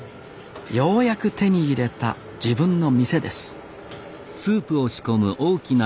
ようやく手に入れた自分の店です